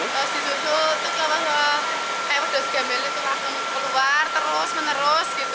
terus disusul terus kalau ke ewo desu gamil itu langsung keluar terus menerus gitu